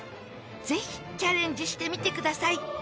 ぜひチャレンジしてみてください。